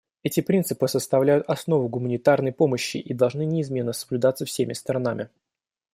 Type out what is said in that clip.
Эти принципы составляют основу гуманитарной помощи и должны неизменно соблюдаться всеми сторонами.